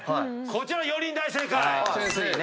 こちら４人大正解！